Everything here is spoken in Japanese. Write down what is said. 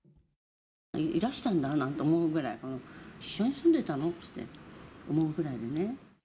いらしたんだって思うぐらい、一緒に住んでたのって思うぐらいでね。